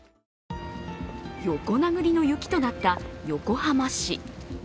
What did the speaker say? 横殴りの雪となった横浜市。